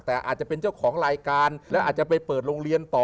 แต่อาจจะเป็นเจ้าของรายการแล้วอาจจะไปเปิดโรงเรียนต่อ